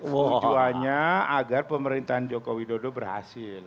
tujuannya agar pemerintahan joko widodo berhasil